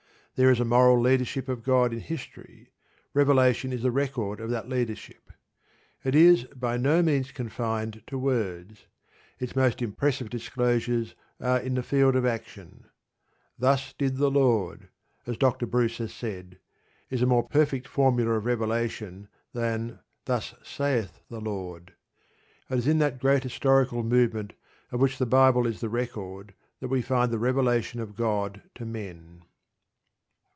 There is a moral leadership of God in history; revelation is the record of that leadership. It is by no means confined to words; its most impressive disclosures are in the field of action. "Thus did the Lord," as Dr. Bruce has said, is a more perfect formula of revelation than "Thus saith the Lord." It is in that great historical movement of which the Bible is the record that we find the revelation of God to men.